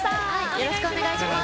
よろしくお願いします。